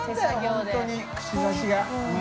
本当に串刺しがもう。